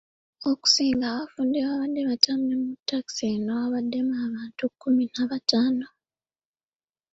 Okusinga abafudde babadde batambulira mu takisi eno ebaddemu abantu kkumi na bataano.